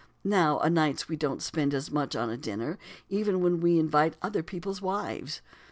Now a nights we don't spend as much on a dinner, even when we invite other people's wives.